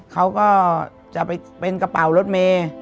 เขาก็จะไปเป็นกระเป๋ารถเมย์